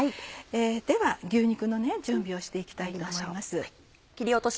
では牛肉の準備をして行きたいと思います。